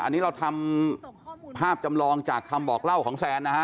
อันนี้เราทำภาพจำลองจากคำบอกเล่าของแซนนะฮะ